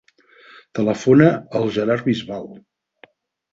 Telefona al Gerard Bisbal.